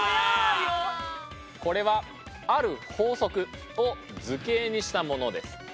これはある法則を図形にしたものです。